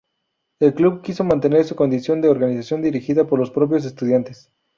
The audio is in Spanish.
El club quiso mantener su condición de organización dirigida por los propios estudiantes.